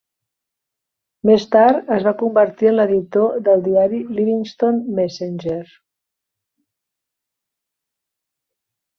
Més tard, es va convertir en l'editor del diari "Livingston Messenger".